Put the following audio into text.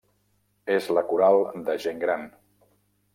És la coral de gent gran.